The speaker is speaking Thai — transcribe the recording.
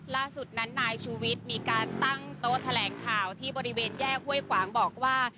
ล่าสุดนั้นนายชูวิทย์มีการตั้งโต๊ะแถลงข่าวที่บริเวณแยกห้วยขวางบอกว่า